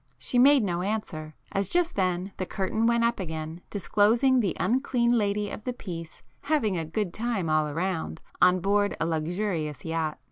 She made no answer, as just then the curtain went up again, disclosing the unclean 'lady' of the piece, "having a good time all round" on board a luxurious yacht.